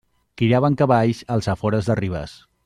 Criaven cavalls als afores de Ribes.